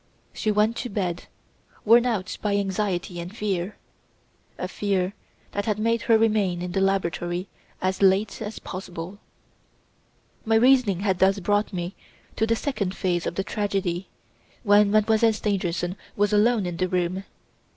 She went to bed, worn out by anxiety and fear a fear that had made her remain in the laboratory as late as possible. "My reasoning had thus brought me to the second phase of the tragedy, when Mademoiselle Stangerson was alone in the room.